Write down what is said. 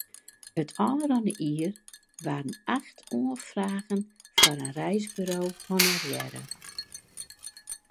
It ôfrûne jier waarden acht oanfragen foar in reisbeurs honorearre.